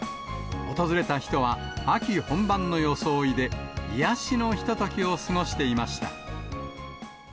訪れた人は、秋本番の装いで、癒やしのひとときを過ごしていました。